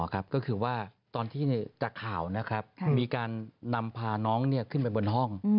ก็คือว่าตอนที่จากข่าวนะครับมีการนำพาน้องขึ้นไปบนห้อง